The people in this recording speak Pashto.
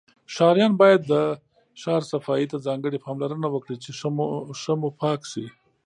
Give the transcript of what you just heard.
ښاریان باید د شار صفایی ته ځانګړی پاملرنه وکړی چی ښه موپاک شی